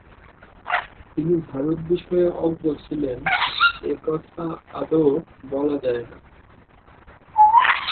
তিনি ভারত বিষয়ে অজ্ঞ ছিলেন এ কথা আদৌ বলা যায় না।